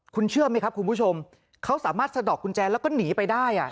คุณเชื่อไหมครับคุณผู้ชมเขาสามารถสะดอกกุญแจแล้วก็หนีไปได้